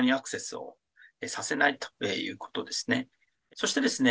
そしてですね